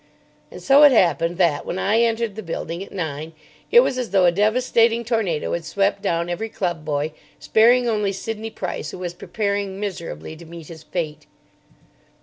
And so it happened that, when I entered the building at nine, it was as though a devastating tornado had swept down every club boy, sparing only Sidney Price, who was preparing miserably to meet his fate.